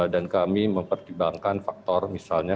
dan kami mempertimbangkan faktor misalnya